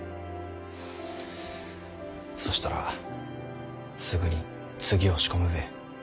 そしたらすぐに次を仕込むべえ。